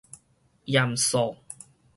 鹽素